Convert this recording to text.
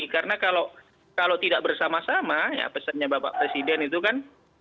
karena kalau tidak bersama sama pesannya bapak presiden itu kan